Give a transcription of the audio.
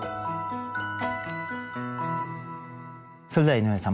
それでは井上さん